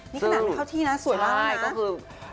นี่ขนาดไม่เข้าที่นะสวยมากแล้วนะ